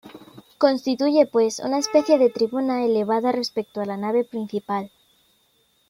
Constituye, pues, una especie de tribuna elevada respecto a la nave principal.